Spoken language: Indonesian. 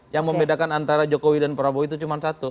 yang membedakan antara jokowi dan prabowo itu cuma satu